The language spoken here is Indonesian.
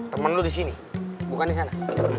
temen lo disini bukan disana